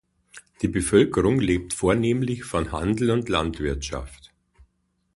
Die Bevölkerung lebt vornehmlich von Handel und Landwirtschaft.